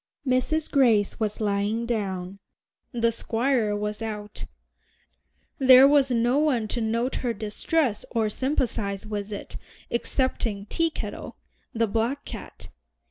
Mrs. Grace was lying down, the Squire was out; there was no one to note her distress or sympathize with it excepting Teakettle, the black cat.